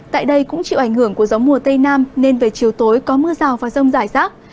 tại đây cũng chịu ảnh hưởng của gió mùa tây nam nên về chiều tối có mưa rào và rông rải rác